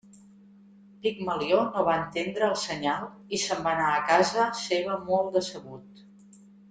Pigmalió no va entendre el senyal i se'n va anar a casa seva molt decebut.